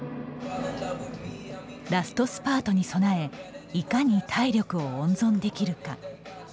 ラストスパートに備えいかに体力を温存できるか。